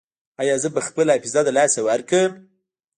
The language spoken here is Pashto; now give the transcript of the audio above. ایا زه به خپله حافظه له لاسه ورکړم؟